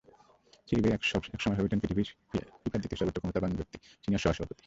সিঁড়ি বেয়ে একসময় হয়ে ওঠেন ফিফার দ্বিতীয় সর্বোচ্চ ক্ষমতাবান ব্যক্তি, সিনিয়র সহসভাপতি।